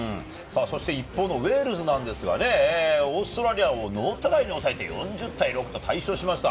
一方のウェールズ、オーストラリアをノートライに抑えて４０対６と快勝しました。